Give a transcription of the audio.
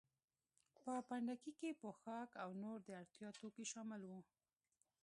په پنډکي کې پوښاک او نور د اړتیا توکي شامل وو.